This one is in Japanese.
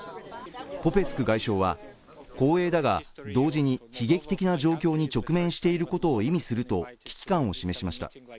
ポペスク外相は光栄だが同時に悲劇的な状況に直面していることを意味すると危機感を示しました